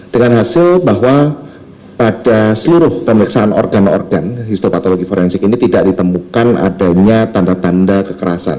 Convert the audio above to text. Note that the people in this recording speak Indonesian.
dengan hasil bahwa pada seluruh pemeriksaan organ organ histopatologi forensik ini tidak ditemukan adanya tanda tanda kekerasan